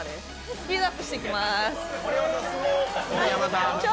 スピードアップしていきます。